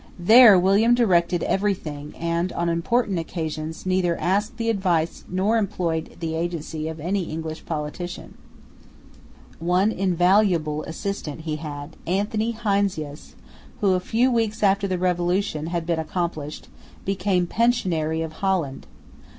There William directed every thing, and, on important occasions, neither asked the advice nor employed the agency of any English politician. One invaluable assistant he had, Anthony Heinsius, who, a few weeks after the Revolution had been accomplished, became Pensionary of Holland.